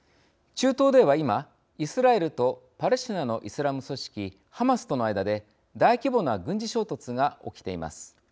中東では今イスラエルとパレスチナのイスラム組織ハマスとの間で大規模な軍事衝突が起きています。